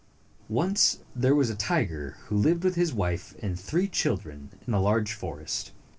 Once there was a tiger who lived with his wife and three children in a large forest.